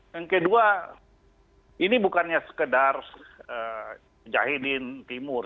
yang kedua ini bukannya sekedar jahidin timur